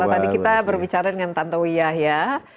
kalau tadi kita berbicara dengan tante wiyah ya